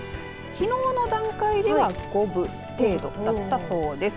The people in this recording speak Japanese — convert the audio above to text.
きのうの段階では五分程度だったそうです。